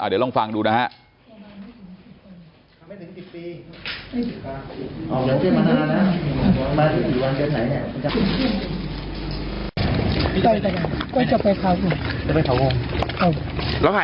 เดี๋ยวลองฟังดูนะฮะ